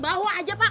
bawa aja pak